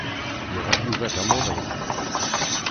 Yuɣal Yuba d amuḍin.